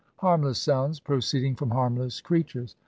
Harmless sounds proceeding from harmless creatures!